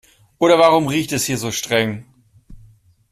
Oder warum riecht es hier so streng?